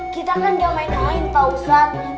kita kan gak main main pak ustadz